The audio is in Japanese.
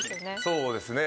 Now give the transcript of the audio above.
そうですね。